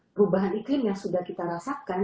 perubahan iklim yang sudah kita rasakan